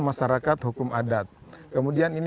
masyarakat hukum adat kemudian ini